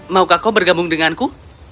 maukah kau bergabung denganku